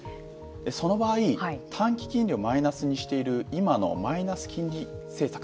その場合短期金利をマイナスにしている今のマイナス金利政策